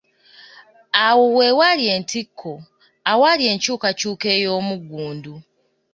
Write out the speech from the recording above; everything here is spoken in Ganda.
Awo we wali entikko , awali enkyukyuka ey’omuggundu.